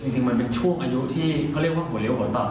จริงมันเป็นช่วงอายุที่เขาเรียกว่าหัวเลี้ยหัวต่อ